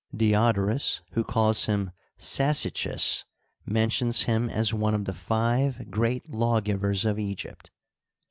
Diodorus, who calls him Sa^cAis, mentions him as one of the five great lawgivers of Egypt.